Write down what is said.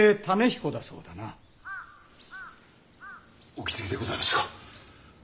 お気づきでございますか。